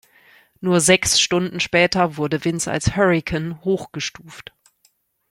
Nur sechs Stunden später wurde Vince als Hurrikan hochgestuft.